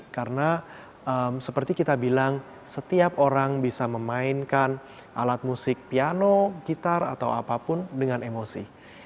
karena seperti kita bilang setiap orang bisa memainkan alat musik piano gitar atau apapun dengan emosi